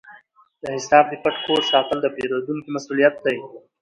د حساب د پټ کوډ ساتل د پیرودونکي مسؤلیت دی۔